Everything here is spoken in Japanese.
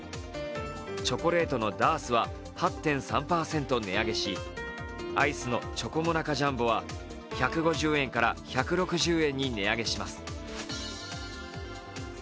チョコレートのＤＡＲＳは８．３％値上げしアイスのチョコモナカジャンボは１５０円から１６０円に値上げされます。